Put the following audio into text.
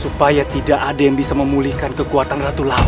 supaya tidak ada yang bisa memulihkan kekuatan ratu lama